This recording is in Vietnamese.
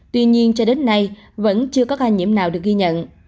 tuy nhiên cho đến nay vẫn chưa có ca nhiễm nào được ghi nhận